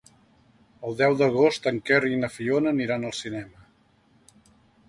El deu d'agost en Quer i na Fiona aniran al cinema.